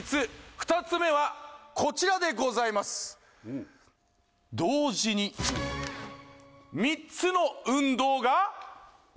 ２つ目はこちらでございます同時に３つの運動が！